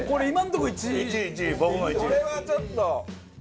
これはちょっと。